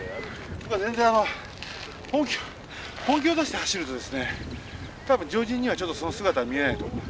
全然あの本気本気を出して走るとですね多分常人にはちょっとその姿は見えないと思う。